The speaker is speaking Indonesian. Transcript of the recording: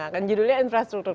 kan judulnya infrastruktur